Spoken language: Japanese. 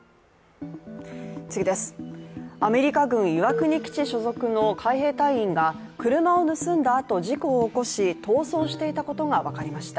アメリカ軍岩国基地所属の海兵隊員が、車を盗んだあと、事故を起こし逃走していたことが分かりました。